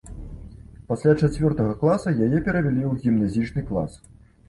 Пасля чацвёртага класа яе перавялі ў гімназічны клас.